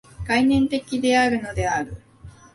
概念的であるのである。